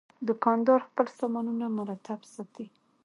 دوکاندار خپل سامانونه مرتب ساتي.